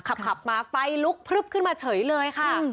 ขับมาไฟลุกพลึบขึ้นมาเฉยเลยค่ะ